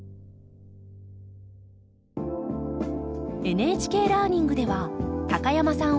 「ＮＨＫラーニング」では高山さん